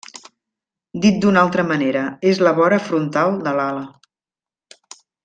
Dit d'una altra manera, és la vora frontal de l'ala.